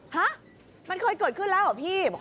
ฮะมันเคยเกิดขึ้นแล้วเหรอพี่